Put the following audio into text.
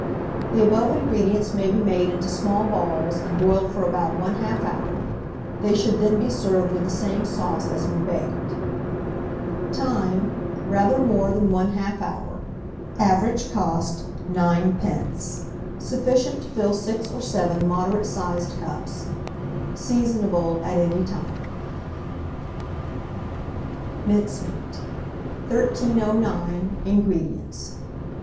The above ingredients may be made into small balls, and boiled for about 1/2 hour; they should then be served with the same sauce as when baked. Time. Rather more than 1/2 hour. Average cost, 9d. Sufficient to fill 6 or 7 moderate sized cups. Seasonable at any time. MINCEMEAT. 1309. INGREDIENTS.